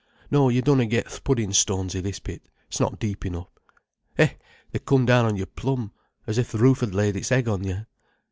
No, you dunna get th' puddin' stones i' this pit—s' not deep enough. Eh, they come down on you plumb, as if th' roof had laid its egg on you.